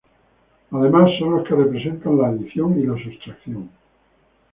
Además son los que representan la adición y la sustracción.